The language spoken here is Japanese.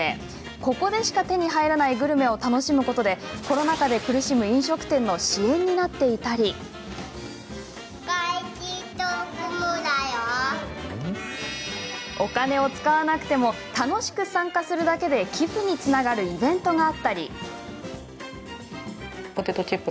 ここでしか手に入らないグルメを楽しむことでコロナ禍で苦しむ飲食店の支援になっていたりお金を使わなくても楽しく参加するだけで寄付につながるイベントがあったり。